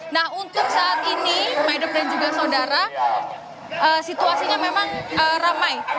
nah untuk saat ini maidop dan juga saudara situasinya memang ramai